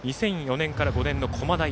２００４年から２００５年の駒大